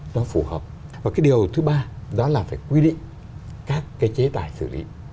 nó phù hợp và cái điều thứ ba đó là phải quy định các cái chế tài xử lý